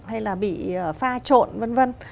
vậy là bị pha trộn vân vân